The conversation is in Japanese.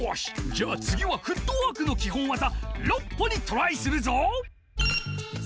じゃあつぎはフットワークのきほんわざ「６歩」にトライするぞ！